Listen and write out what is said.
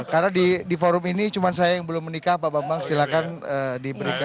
karena di forum ini cuman saya yang belum menikah pak bambang silahkan diberikan